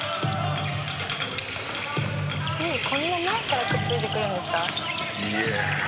「こんな前からくっついてくるんですか？」